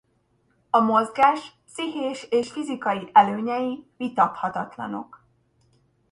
A mozgás pszichés és fizikai előnyei vitathatatlanok.